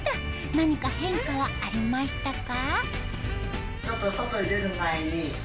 何か変化はありましたか？